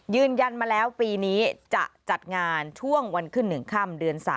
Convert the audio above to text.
ยืนยันมาแล้วปีนี้จะจัดงานช่วงวันขึ้น๑ค่ำเดือน๓